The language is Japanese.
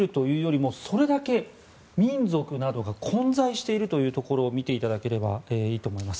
細かく見るというよりもそれだけ民族などが混在しているというところを見ていただければいいと思います。